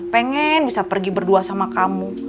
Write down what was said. pengen bisa pergi berdua sama kamu